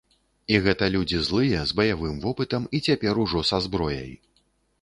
І гэта людзі злыя, з баявым вопытам і цяпер ужо са зброяй.